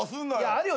あるよ。